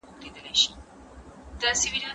زه هره ورځ د کتابتوننۍ سره مرسته کوم